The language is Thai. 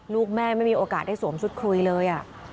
ลูกแม่ไม่มีโอกาสได้สวมชุดคุยเลย